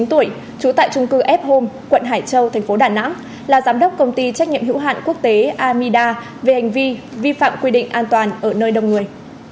trú tại trung cư f home quận hải châu tp đà nẵng là giám đốc công ty trách nhiệm hữu hạn quốc tế amida về hành vi vi phạm quy định an toàn ở nơi đông người